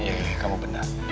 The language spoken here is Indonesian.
iya kamu benar